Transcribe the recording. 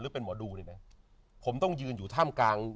หรือเป็นหมอดูไหมผมต้องยืนอยู่ท่ามกลาง